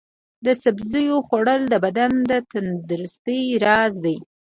د سبزیو خوړل د بدن د تندرستۍ راز دی.